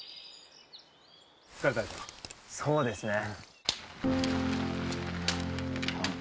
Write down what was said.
そうですね。